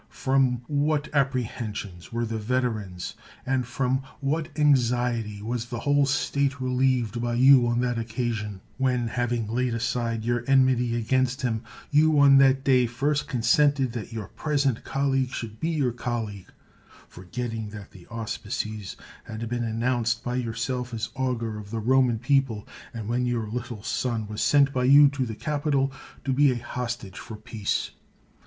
From what apprehensions were the veterans, and from what anxiety was the whole state relieved by you on that occasion! when, having laid aside your enmity against him, you on that day first consented that your present col 163 THE WORLD'S FAMOUS ORATIONS leag should be your colleag, forgetting that the auspices had been announced by yourself as augur of the Roman people ; and when your little son was sent by you to the Capitol to be a hostage for peace.